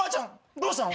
どうしたの？